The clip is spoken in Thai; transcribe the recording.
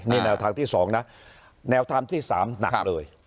นี่แนวทางที่๒นะแนวทางที่๓หนักเลย